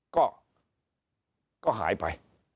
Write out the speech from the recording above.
ก็หายไป